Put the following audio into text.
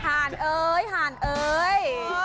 ่านเอ้ยห่านเอ้ย